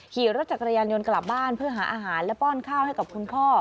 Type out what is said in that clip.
ขี่รถจักรยานยนต์กลับบ้านเพื่อหาอาหารและป้อนข้าวให้กับคุณพ่อ